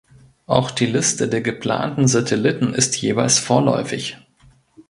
Auch die Liste der geplanten Satelliten ist jeweils vorläufig.